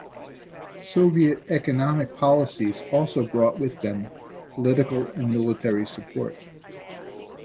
Soviet economic policies also brought with them, political and military support.